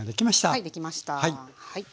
はいできました。